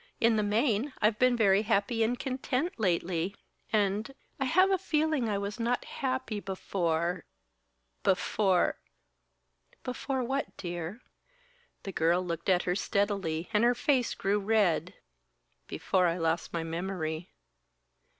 In the main, I've been very happy and content, lately; and I have a feeling I was not happy before before " "Before what, dear?" The girl looked at her steadily and her face grew red. "Before I lost my memory."